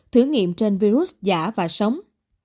thử nghiệm trên virus giả và sống